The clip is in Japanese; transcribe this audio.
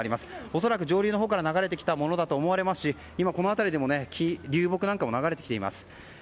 恐らく上流のほうから流れてきたんだと思われますしこの辺りでも流木も流れてきています。